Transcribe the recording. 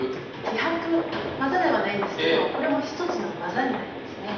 気迫技ではないんですけどこれも一つの技になりますね。